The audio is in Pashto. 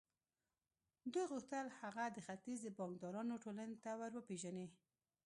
دوی غوښتل هغه د ختيځ د بانکدارانو ټولنې ته ور وپېژني.